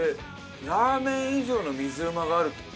ラーメン以上の水うまがあるって事？